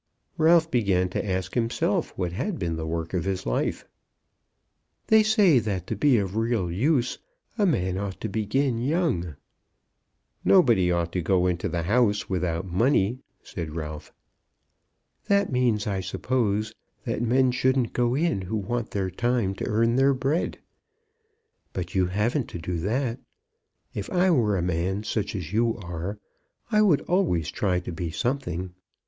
Ralph began to ask himself what had been the work of his life. "They say that to be of real use a man ought to begin young." "Nobody ought to go into the House without money," said Ralph. "That means, I suppose, that men shouldn't go in who want their time to earn their bread. But you haven't that to do. If I were a man such as you are I would always try to be something.